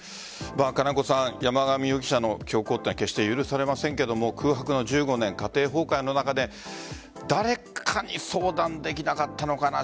山上容疑者の凶行は決して許されませんが空白の１５年家庭崩壊の中で誰かに相談できなかったのかな